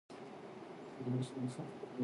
《哔哩哔哩隐私政策》目录